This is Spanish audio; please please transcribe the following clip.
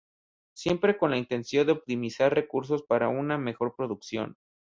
Siempre con la intención de optimizar sus recursos para una mejor producción.